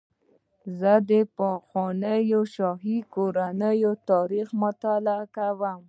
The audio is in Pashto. زه د پخوانیو شاهي کورنیو تاریخ مطالعه کوم.